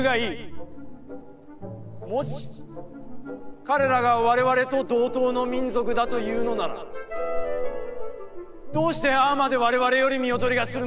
もし彼らがわれわれと同等の民族だというのなら、どうしてああまでわれわれより見劣りがするのか？